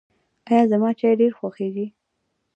زما چای ډېر خوښیږي.